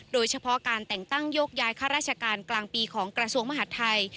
โดยเฉพาะการแต่งตั้งโยกย้ายข้าราชการกลางปีของกระทรวงมหาดไทย